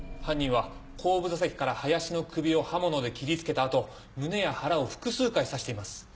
犯人は後部座席から林の首を刃物で切りつけた後胸や腹を複数回刺しています。